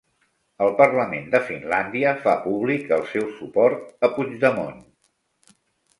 El Parlament de Finlàndia fa públic el seu suport a Puigdemont